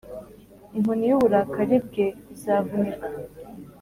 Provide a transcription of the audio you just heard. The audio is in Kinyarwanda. inkoni y’uburakari bwe izavunika